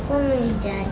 aku suka main sama aku